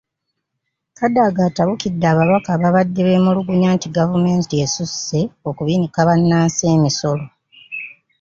Kadaga atabukidde ababaka ababadde beemulugunya nti gavumenti esusse okubinika bannansi emisolo.